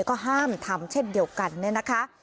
ก็ห้ามทำเช่นเดียวกันเนี่ยนะคะ